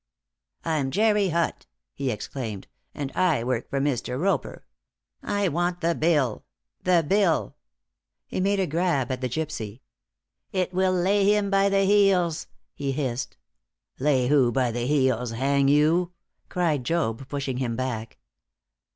"I'm Jerry Hutt," he exclaimed, "and I work for Mr. Roper. I want the bill the bill!" He made a grab at the gypsy. "It will lay him by the heels," he hissed. "Lay who by the heels, hang you?" cried Job, pushing him back.